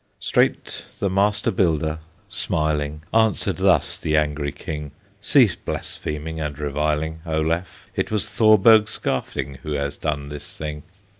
Straight the master builder, smiling, Answered thus the angry King: "Cease blaspheming and reviling, Olaf, it was Thorberg Skafting Who has done this thing!"